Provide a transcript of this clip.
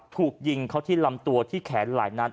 ถูกยิงเข้าที่ลำตัวที่แขนหลายนัด